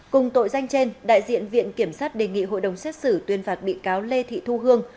cùng tội danh trên đại diện viện kiểm sát đề nghị hội đồng xét xử tuyên phạt bị cáo lê thị thu hương